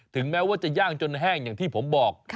แม้ว่าจะย่างจนแห้งอย่างที่ผมบอก